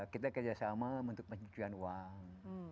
kita kerjasama untuk pencucian uang